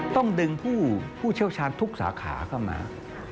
ต้องดึงผู้เชี่ยวชาญทุกสาขาเข้ามา